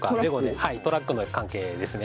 はいトラックの関係ですね。